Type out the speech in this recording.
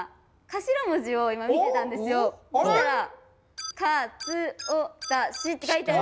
頭文字を今見てたんですよ。きた！